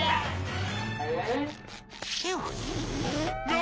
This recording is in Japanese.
何？